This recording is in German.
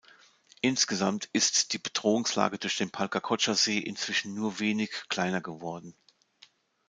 Insgesamt ist die Bedrohungslage durch den Palcacocha-See inzwischen nur wenig kleiner geworden.